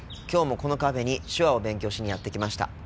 今日もこのカフェに手話を勉強しにやって来ました。